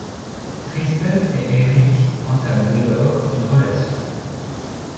Kristen et Eric entament dès lors une relation.